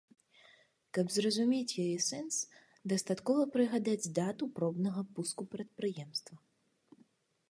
Каб зразумець яе сэнс, дастаткова прыгадаць дату пробнага пуску прадпрыемства.